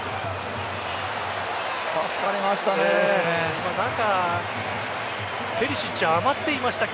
助かりましたね。